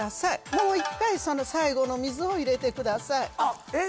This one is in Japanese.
もう１回その最後の水を入れてくださいえっ